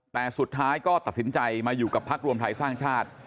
แต่สุดท้ายก็ตัดสินใจมาอยู่กับพักรวมไทยสร้างชาติ